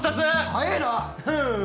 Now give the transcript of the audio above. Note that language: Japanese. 早えな！